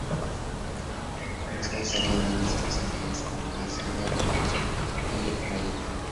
En su casa solían reunirse personalidades como Max Adler, Otto Bauer o Karl Reiner.